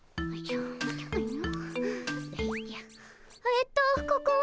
えっとここは。